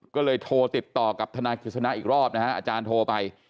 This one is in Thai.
ก็เลยโทรติดต่อกับทนายกฤษณะอีกรอบนะฮะอาจารย์โทรไป